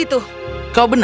aku nggak mau dubai